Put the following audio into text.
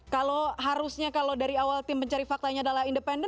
kalau harusnya kalau dari awal tim mencari fakta yang adalah independen